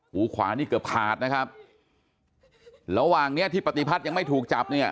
หูขวานี่เกือบขาดนะครับระหว่างเนี้ยที่ปฏิพัฒน์ยังไม่ถูกจับเนี่ย